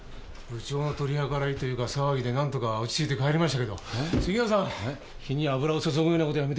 部長の取り計らいというか騒ぎで何とか落ち着いて帰りましたけど杉浦さん！火に油を注ぐような事やめてくださいよ。